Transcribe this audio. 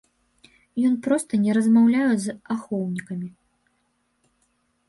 Ён проста не размаўляе з ахоўнікамі.